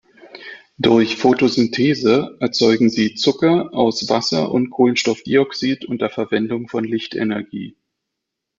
Durch Photosynthese erzeugen sie Zucker aus Wasser und Kohlenstoffdioxid unter Verwendung von Lichtenergie.